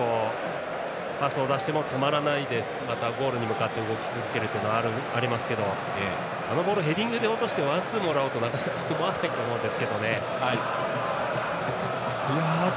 パスを出しても止まらないでまたゴールに向かって動き続けるというのがありますがあのボールヘディングで落としてワンツーでもらおうとはなかなか思わないと思います。